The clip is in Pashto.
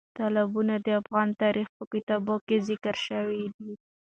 تالابونه د افغان تاریخ په کتابونو کې ذکر شوی دي.